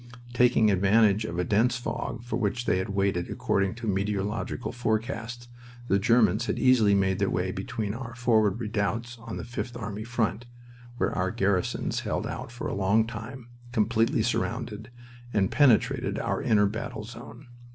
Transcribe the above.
Taking advantage of a dense fog, for which they had waited according to meteorological forecast, the Germans had easily made their way between our forward redoubts on the Fifth Army front, where our garrisons held out for a long time, completely surrounded, and penetrated our inner battle zone.